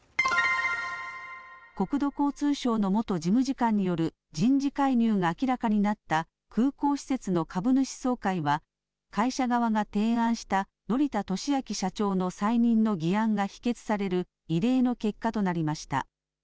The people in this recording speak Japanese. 国土交通省の元事務次官による人事介入が明らかになった空港施設の株主総会は会社側が提案した乘田俊明社長の再任の議案が否決される異例の結果となりました。